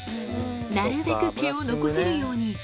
なるべく毛を残せるように。